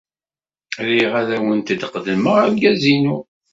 Riɣ ad awent-d-qeddmeɣ argaz-inu.